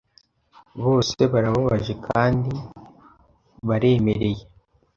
Bose barababaje kandi baremereye